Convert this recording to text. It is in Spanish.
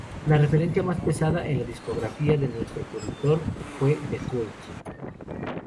La referencia más pesada en la discografía de nuestro productor fue "The Cult".